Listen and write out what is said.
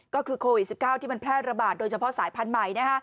ก็คือโควิด๑๙ที่มันแพร่ระบาดโดยเฉพาะสายพันธุ์ใหม่